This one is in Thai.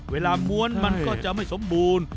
ม้วนมันก็จะไม่สมบูรณ์